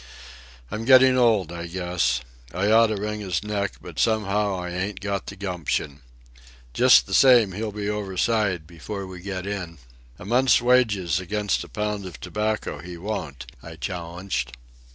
"I'm getting old, I guess. I oughta wring his neck, but somehow I ain't got the gumption. Just the same, he'll be overside before we get in." "A month's wages against a pound of tobacco he won't," I challenged.